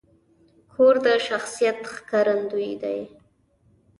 کور د شخصیت ښکارندوی دی.